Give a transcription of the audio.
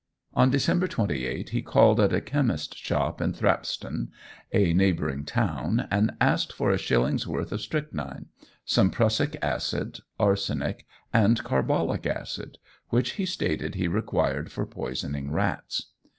On December 28 he called at a chemist's shop in Thrapstone, a neighbouring town, and asked for a shilling's worth of strychnine, some prussic acid, arsenic, and carbolic acid, which he stated he required for poisoning rats.